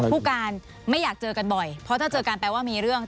ผู้การไม่อยากเจอกันบ่อยเพราะถ้าเจอกันแปลว่ามีเรื่อง